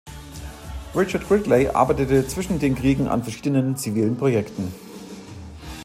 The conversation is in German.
Richard Gridley arbeitete zwischen den Kriegen an verschiedenen zivilen Projekten.